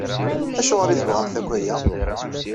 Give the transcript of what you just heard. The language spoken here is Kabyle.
Acuɣer i tebɣamt akk aya?